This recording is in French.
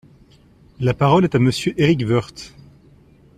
La parole est à Monsieur Éric Woerth.